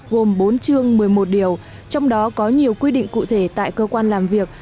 gồm bốn chương một mươi một điều trong đó có nhiều quy định cụ thể tại cơ quan làm việc